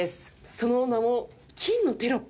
その名も「金のテロップ」。